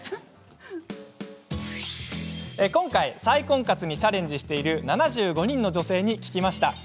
今回、再婚活にチャレンジしている７５人の女性に聞きました。